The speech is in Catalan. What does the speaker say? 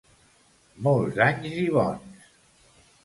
Molts anys i bons!